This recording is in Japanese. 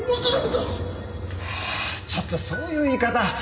ちょっとそういう言い方。